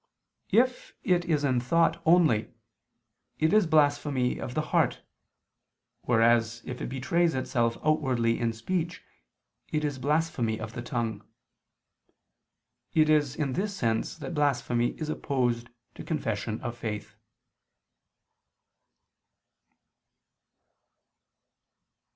If it is in thought only, it is blasphemy of the heart, whereas if it betrays itself outwardly in speech it is blasphemy of the tongue. It is in this sense that blasphemy is opposed to confession of faith.